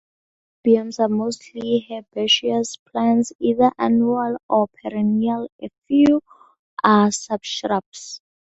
Epilobiums are mostly herbaceous plants, either annual or perennial; a few are subshrubs.